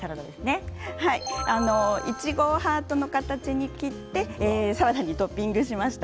いちごをハート形に切ってサラダにトッピングしました。